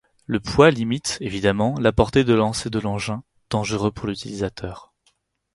Le poids limite évidemment la portée de lancer de l'engin, dangereux pour l'utilisateur.